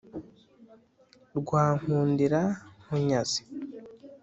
rwa nkundira nkunyaze